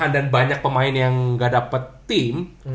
dan banyak pemain yang gak dapat tim